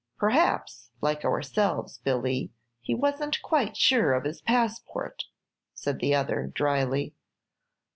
"Perhaps, like ourselves, Billy, he wasn't quite sure of his passport," said the other, dryly.